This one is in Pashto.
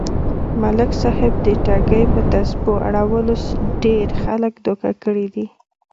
ملک صاحب د ټگۍ يه تسبو اړولو ډېر خلک دوکه کړي دي.